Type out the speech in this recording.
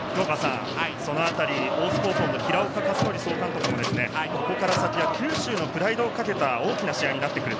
大津高校の平岡和徳総監督も、ここから先は九州のプライドを懸けた大きな試合になってくる。